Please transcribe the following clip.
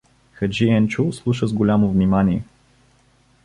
Хаджи Енчо слуша с голямо внимание.